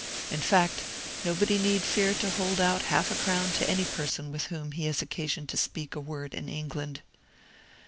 In fact, nobody need fear to hold out half a crown to any person with whom he has occasion to speak a word in England.